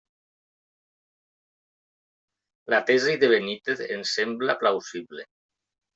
La tesi de Benítez ens sembla plausible.